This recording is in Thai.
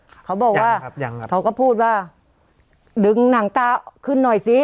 เขาบอกว่ายังไงเขาก็พูดว่าดึงหนังตาขึ้นหน่อยสิ